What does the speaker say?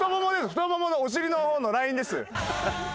太もものお尻の方のラインです。